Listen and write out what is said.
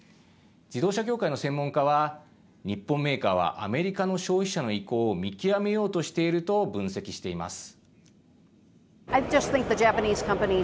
自動車業界の専門家は日本メーカーはアメリカの消費者の意向を見極めようとしていると分析しています。